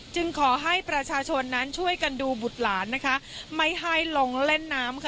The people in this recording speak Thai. ขอให้ประชาชนนั้นช่วยกันดูบุตรหลานนะคะไม่ให้ลงเล่นน้ำค่ะ